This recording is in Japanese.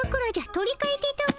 取りかえてたも。